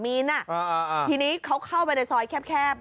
มันกลับมาที่สุดท้ายแล้วมันกลับมาที่สุดท้ายแล้ว